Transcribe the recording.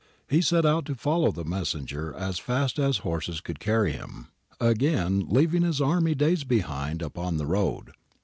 He set out to follow the messenger as fast as horses could carry him, again leaving his army days behind upon the road.